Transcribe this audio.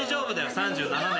３７年。